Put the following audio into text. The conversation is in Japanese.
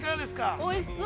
◆おいしそう。